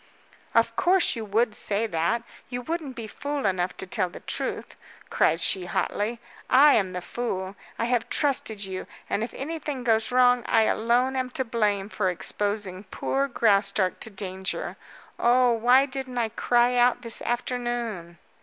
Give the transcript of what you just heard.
"Of course you would say that. You wouldn't be fool enough to tell the truth," cried she hotly. "I am the fool! I have trusted you and if anything goes wrong I alone am to blame for exposing poor Graustark to danger. Oh, why didn't I cry out this afternoon?"